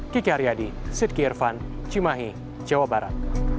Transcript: kiki aryadi sidki irvan cimahi jawa barat